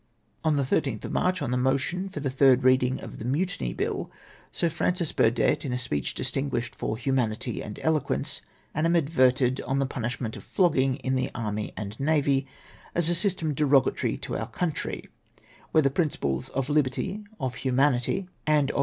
On the loth of March, on the motion for the third reading of the Mutiny BiU, Sir Francis Burdett, in a speech distmguished for humanity and eloquence, animadverted on the punishment of flogging in the army and navy, as a system derogatory to our country, where the prmciples of liberty, of humanity, and of ■252 ATTRIBUTABLE TO A BAD SYSTEM.